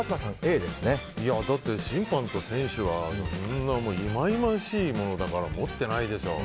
だって、審判と選手はいまいましいものだから持ってないでしょう。